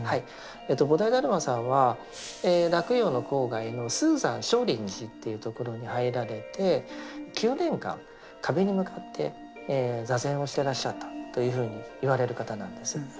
菩提達磨さんは洛陽の郊外の嵩山少林寺というところに入られて９年間壁に向かって坐禅をしてらっしゃったというふうにいわれる方なんです。